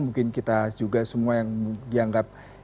mungkin kita juga semua yang dianggap